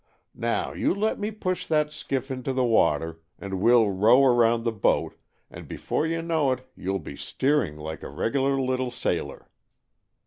Now, you let me push that skiff into the water, and we'll row around the boat, and before you know it you'll be steering like a regular little sailor."